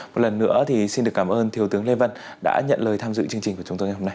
một lần nữa thì xin được cảm ơn thiếu tướng lê văn đã nhận lời tham dự chương trình của chúng tôi ngày hôm nay